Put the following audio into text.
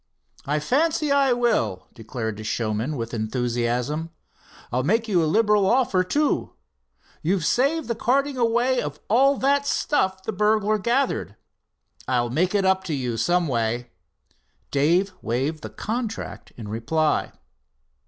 "I fancy I will," declared the showman with enthusiasm. "I'll make you a liberal offer, too. You've saved the carting away of all that stuff the burglar gathered. It make it up to you some way." Dave waved the contract in reply.